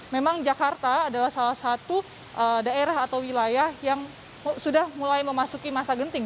memang jakarta adalah salah satu daerah atau wilayah yang sudah mulai memasuki masa genting